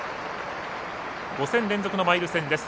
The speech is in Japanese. ５戦連続のマイル戦です。